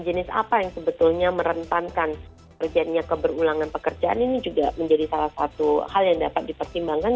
jenis apa yang sebetulnya merentankan kerjanya keberulangan pekerjaan ini juga menjadi salah satu hal yang dapat dipertimbangkan